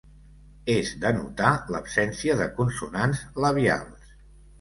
És de notar l'absència de consonants labials.